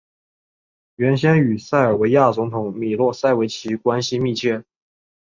原先与塞尔维亚总统米洛塞维奇关系密切。